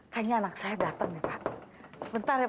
kayaknya anak saya datang nih pak sebentar ya pak